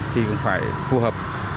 thì cũng phải phù hợp